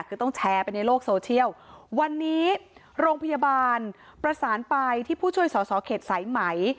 คือต้องแชร์ไปในโลกโซเชียลวันนี้โรงพยาบาลประสานไปที่ผู้ช่วยสอสอเขตสายไหม